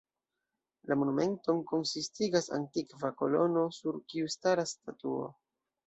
La monumenton konsistigas antikva kolono sur kiu staras statuo.